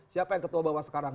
siapa yang ketua bawas sekarang